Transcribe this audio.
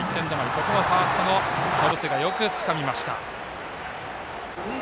ここはファーストの延末がよくつかみました。